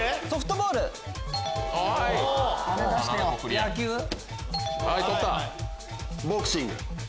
ボクシング。